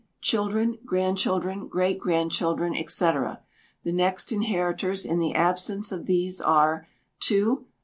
Children, grandchildren, great grandchildren, &c. The next inheritors, in the absence of these, are, ii.